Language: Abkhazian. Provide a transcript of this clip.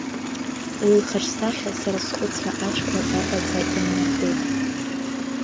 Уи лхаҿсахьа сара схәыцра ашәқәа ҟьаҟьаӡа ианартит.